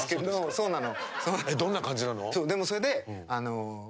そうなの。